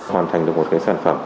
hoàn thành được một sản phẩm